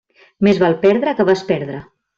Més val perdre que besperdre.